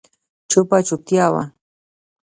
چوپه چوپتيا وه.